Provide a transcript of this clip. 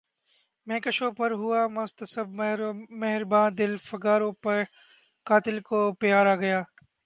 مے کشوں پر ہوا محتسب مہرباں دل فگاروں پہ قاتل کو پیار آ گیا